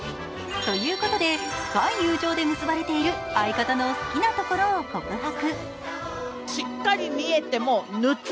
ということで、深い友情で結ばれている相方の好きなところを告白。